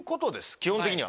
基本的には。